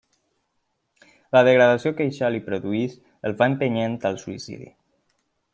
La degradació que això li produeix el va empenyent al suïcidi.